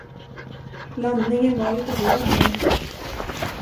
Landningen var lite hård, men.